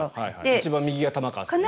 一番右が玉川さんね。